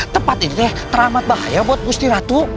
tempat ini terlalu bahaya buat gusti ratu